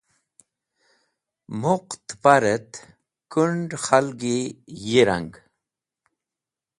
Muq tẽparẽt kũnd̃ khalgi yi rang.